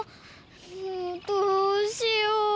もうどうしよう。